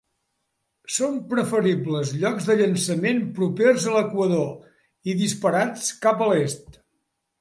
Són preferibles llocs de llançament propers a l'equador i disparats cap a l'Est.